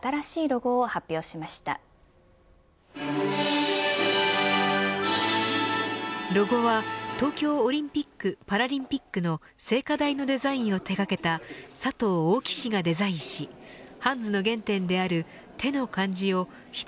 ロゴは、東京オリンピック・パラリンピックの聖火台のデザインを手がけた佐藤オオキ氏がデザインしハンズの原点である手の漢字を一